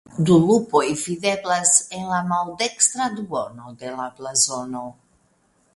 Du lupoj videblas en la maldekstra duono de la blazono.